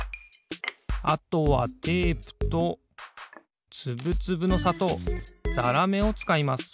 あとはテープとつぶつぶのさとうざらめをつかいます。